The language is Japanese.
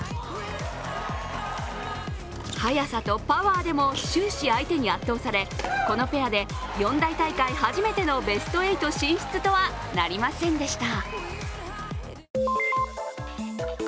速さとパワーでも終始相手に圧倒され、このペアで四大大会初めてのベスト８進出とはなりませんでした。